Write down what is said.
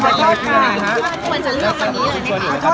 หัวจะเลือก